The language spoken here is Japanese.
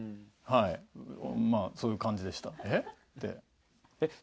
はいまぁそういう感じでした「え？」